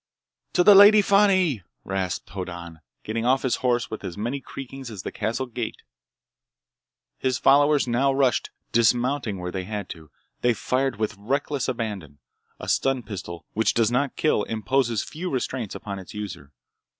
"To the Lady Fani!" rasped Hoddan, getting off his horse with as many creakings as the castle gate. His followers now rushed, dismounting where they had to. They fired with reckless abandon. A stun pistol, which does not kill, imposes few restraints upon its user.